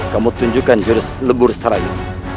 kamu tunjukkan jurus lebur serayu